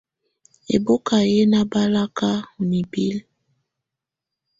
Ɛ́bakɔ́ yɛ́ ná báláká ɔ́ nibilǝ́.